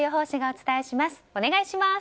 お願いします。